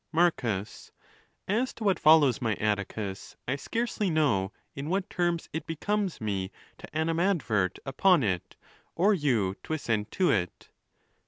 Marcus.—As to what follows, my Atticus, I scarcely know in what terms it becomes me to animadvert upon it, or you to assent to it.